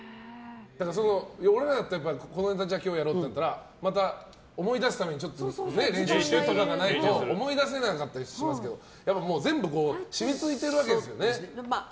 俺らだったら今日このネタやろうってなったらまた思い出すために練習したりしないと思い出せなかったりしますけど全部染みついてるわけですよね。